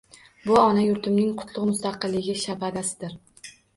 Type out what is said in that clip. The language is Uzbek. Bu ona yurtimning qutlugʻ mustaqilligi shabadasidir…